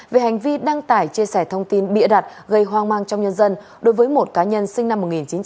về hành vi đăng tải chia sẻ thông tin bịa đặt gây hoang mang trong nhân dân đối với một cá nhân sinh năm một nghìn chín trăm tám mươi